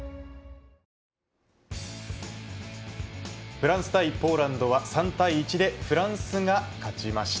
フランス対ポーランドは３対１でフランスが勝ちました。